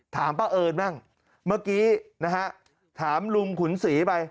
ถามป้าเอิญบ้างเมื่อกี้นะฮะถามลุงขุนศรีไป